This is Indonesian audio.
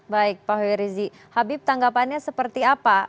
baik pak huwir rizi habib tanggapannya seperti apa